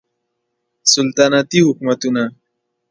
سلطنتي حکومتونه